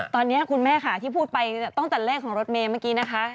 ตอนนี้คุณแม่ค่ะที่พูดไปตั้งแต่เลขของรถเมย์เมื่อกี้นะคะ